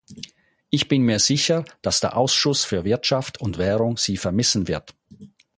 Ich bin mir sicher, dass der Ausschuss für Wirtschaft und Währung Sie vermissen wird.